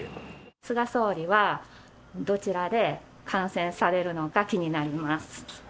菅総理は、どちらで観戦されるのか気になります。